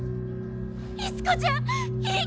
律子ちゃんいい